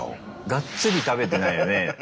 がっつり食べてないよね。